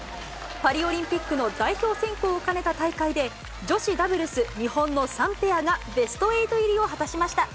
パリオリンピックの代表選考を兼ねた大会で、女子ダブルス日本の３ペアがベスト８入りを果たしました。